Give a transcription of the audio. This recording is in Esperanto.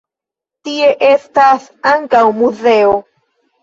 Tie estas ankaŭ muzeo.